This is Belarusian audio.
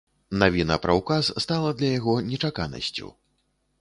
Навіна пра ўказ стала для яго нечаканасцю.